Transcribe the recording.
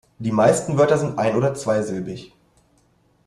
Die meisten Wörter sind ein- oder zweisilbig.